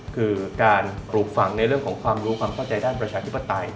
คือการปลูกฝังในเรื่องของความรู้ความเข้าใจด้านประชาธิปไตย